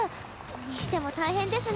にしても大変ですね